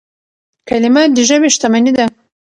کلیمه د ژبي شتمني ده.